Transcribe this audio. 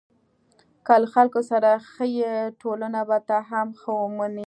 که له خلکو سره ښه یې، ټولنه به تا هم ښه ومني.